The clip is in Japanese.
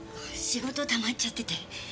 仕事たまっちゃってて。